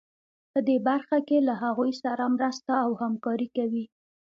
په دې برخه کې له هغوی سره مرسته او همکاري کوي.